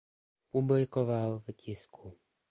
Publikoval v tisku.